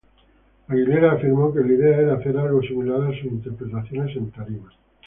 Aguilera afirmó que la idea era hacer algo similar a sus interpretaciones en tarima.